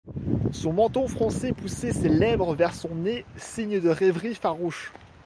Son menton froncé poussait ses lèvres vers son nez, signe de rêverie farouche.